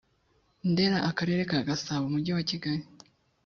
ndera akarere ka gasabo umujyi wakigali